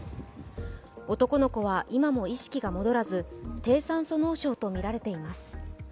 男の子は今も意識が戻らず低酸素脳症とみられています。